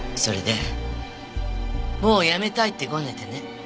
それでもうやめたいってごねてね。